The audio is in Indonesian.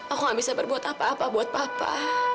aku gak bisa berbuat apa apa buat papa